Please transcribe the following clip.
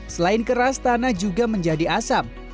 selain keras tanah juga menjadi asam